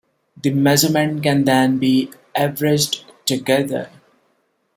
The measurements can then be averaged together.